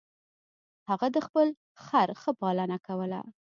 هغه د خپل خر ښه پالنه کوله.